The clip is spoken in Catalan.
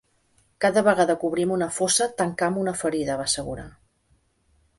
Cada vegada que obrim una fossa tancam una ferida, va assegurar.